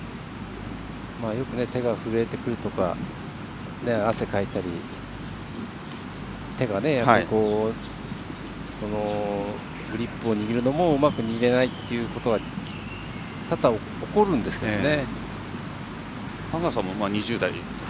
よく手が震えてくるとか汗かいたり、グリップを握るのもうまく握れないということも多々起こるんですけどね。